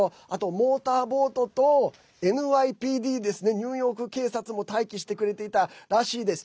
モーターボートとＮＹＰＤですねニューヨーク警察も待機してくれていたらしいです。